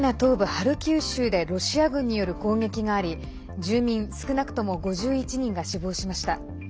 ハルキウ州でロシア軍による攻撃があり住民少なくとも５１人が死亡しました。